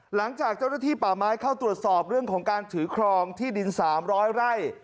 หลังจากเจ้าหน้าที่ป่าไม้เข้าตรวจสอบเรื่องของการถือครองที่ดิน๓๐๐ไร่